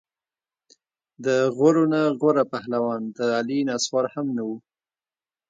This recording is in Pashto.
د غورو نه غوره پهلوان د علي نسوار هم نه وو.